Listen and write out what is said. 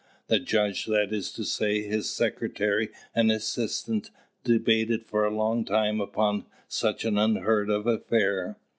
The judge, that is to say, his secretary and the assistant debated for a long time upon such an unheard of affair.